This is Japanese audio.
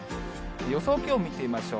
予想気温見てみましょう。